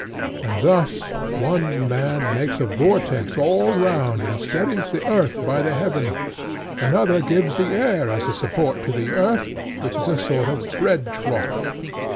And thus one man makes a vortex all round and steadies the earth by the heaven; another gives the air as a support to the earth, which is a sort of broad trough.